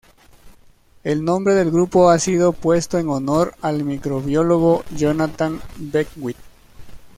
El nombre del grupo ha sido puesto en honor al microbiólogo Jonathan Beckwith.